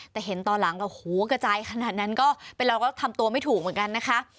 แต่เห็นตอนหลังก็โหกระจายขนาดนั้นก็เป็นเราก็ทำตัวไม่ถูกเหมือนกันนะคะ